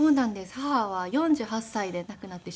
母は４８歳で亡くなってしまったので。